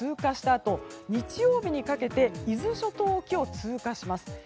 あと日曜日にかけて伊豆諸島沖を通過します。